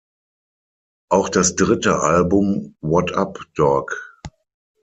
Auch das dritte Album "What Up, Dog?